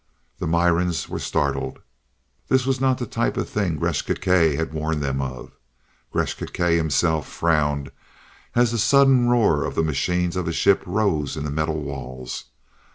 The Mirans were startled. This was not the type of thing Gresth Gkae had warned them of. Gresth Gkae himself frowned as the sudden roar of the machines of his ship rose in the metal walls.